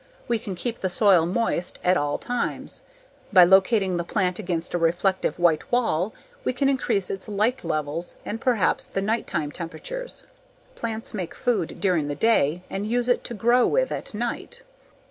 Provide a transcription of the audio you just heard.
We can keep the soil moist at all times. By locating the plant against a reflective white wall we can increase its light levels and perhaps the nighttime temperatures (plants make food during the day and use it to grow with at night).